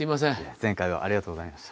前回はありがとうございました。